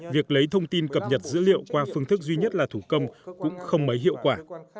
việc lấy thông tin cập nhật dữ liệu qua phương thức duy nhất là thủ công cũng không mấy hiệu quả